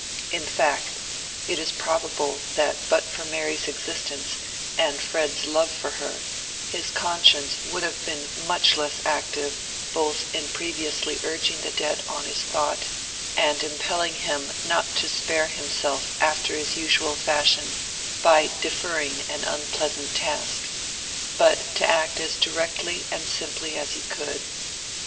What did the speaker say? In fact, it is probable that but for Mary's existence and Fred's love for her, his conscience would have been much less active both in previously urging the debt on his thought and impelling him not to spare himself after his usual fashion by deferring an unpleasant task, but to act as directly and simply as he could.